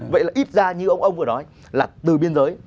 vậy là ít ra như ông ông vừa nói là từ biên giới